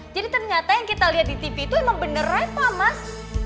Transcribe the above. jadi ternyata yang kita lihat di tv itu emang bener reva mas